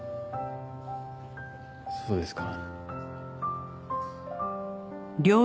そうですか。